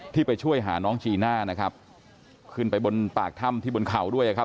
ไปช่วยหาน้องจีน่านะครับขึ้นไปบนปากถ้ำที่บนเขาด้วยนะครับ